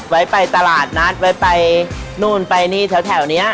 ไว้ไปตลาดนัดไว้ไปนู่นไปนี่แถวนี้